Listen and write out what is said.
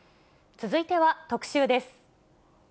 続いては特集です。